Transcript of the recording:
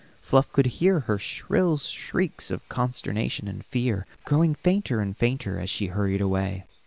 Fluff could hear her shrill squeaks of consternation and fear growing fainter and fainter as she hurried away.